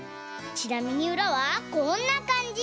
ちなみにうらはこんなかんじ！